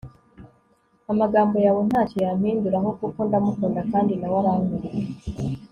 amagambo yawe ntacyo yampinduraho kuko ndamukunda kandi nawe arankunda